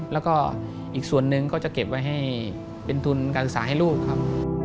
แล้วก็อีกส่วนหนึ่งก็จะเก็บไว้ให้เป็นทุนการศึกษาให้ลูกครับ